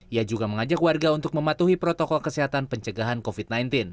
ia juga mengajak warga untuk mematuhi protokol kesehatan pencegahan covid sembilan belas